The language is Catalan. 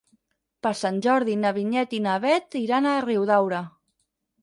Per Sant Jordi na Vinyet i na Bet iran a Riudaura.